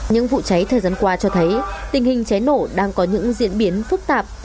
những vụ cháy thời gian qua cho thấy tình hình cháy nổ đang có những diễn biến phức tạp